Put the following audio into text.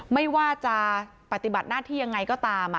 ไม่ว่าจะปฏิบัติหน้าที่ยังไงก็ตาม